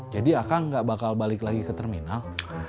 jadi akan gak bakal balik lagi ke terminal